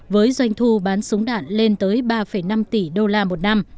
với doanh thu bán súng đạn lên tới ba năm tỷ đô la một năm